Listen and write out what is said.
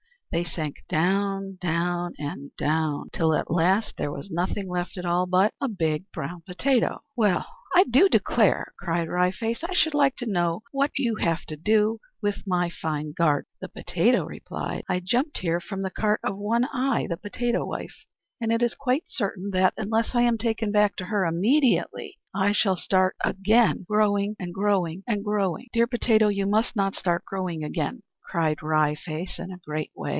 They sank down, down, and down, till at last there was nothing left at all but a big brown potato! "Well, I do declare!" cried Wry Face. "I should like to know what you have to do with my fine garden!" The potato replied, "I jumped here from the cart of One Eye, the potato wife, and it is quite certain that, unless I am taken back to her immediately, I shall start again, growing, and growing, and growing!" "Dear potato, you must not start growing again!" cried Wry Face, in a great way.